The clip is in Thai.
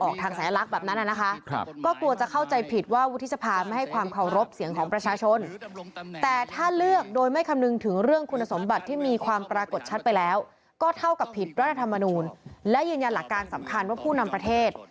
เข้ากับผิดรัฐธรรมนูญและยืนยันหลักการสำคัญว่าผู้นำประเทศ